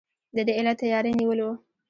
د دې علت تیاری نیول وو.